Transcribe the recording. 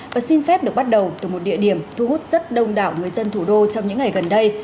và xin phép được bắt đầu từ một địa điểm thu hút rất đông đảo người dân thủ đô trong những ngày gần đây